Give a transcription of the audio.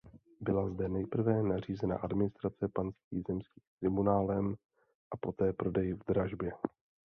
Byla zde nejprve nařízena administrace panství zemským tribunálem a poté prodej v dražbě.